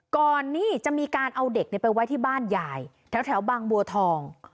ก่อนนี่จะมีการเอาเด็กไปไว้ที่บ้านยายแถวบางบัวทอง